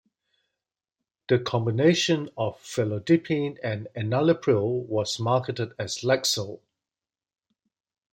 The combination of felodipine and enalapril was marketed as Lexxel.